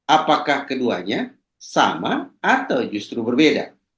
apakah keduanya sama atau justru berbeda